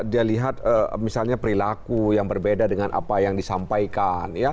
dia lihat misalnya perilaku yang berbeda dengan apa yang disampaikan